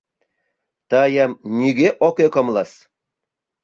Тыйым нигӧ ок ӧкымлыс.